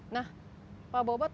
nah pak bobo